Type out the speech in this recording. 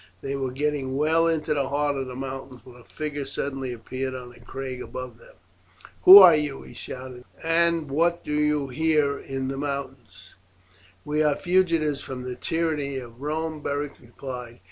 They were getting well into the heart of the mountains when a figure suddenly appeared on a crag above them. "Who are you?" he shouted, "and what do you here in the mountains?" "We are fugitives from the tyranny of Rome," Beric replied.